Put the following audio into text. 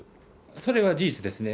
それは事実ですね。